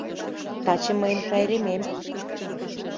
«Таче мыйын пайремем!